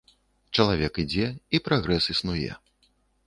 Чалавек ідзе, і прагрэс існуе.